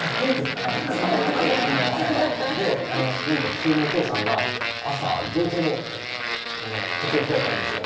はいなんか急におとうさんが「麻どいてろ」って口を開いたんですよ